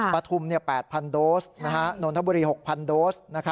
ปฐุม๘๐๐โดสนนทบุรี๖๐๐โดส